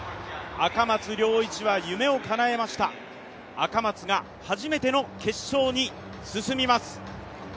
赤松諒一は夢をかなえました、赤松が初めての決勝に進みます。